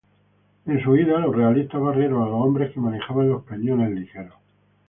En su huida los realistas barrieron a los hombres que manejaban los cañones ligeros.